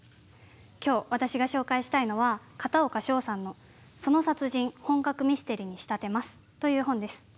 今日私が紹介したいのは片岡翔さんの「その殺人、本格ミステリに仕立てます。」という本です。